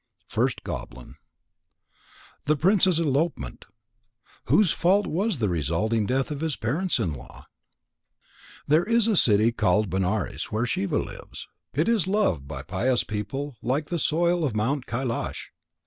FIRST GOBLIN The Prince's Elopement. Whose fault was the resulting death of his parents in law? There is a city called Benares where Shiva lives. It is loved by pious people like the soil of Mount Kailasa.